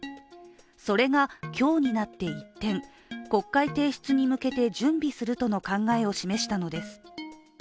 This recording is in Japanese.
それが今日になって一転国会提出に向けて準備するとの考えを示したのです。